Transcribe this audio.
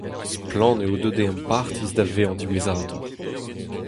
Splann eo deuet e ampartiz da vezañ diwezhatoc'h.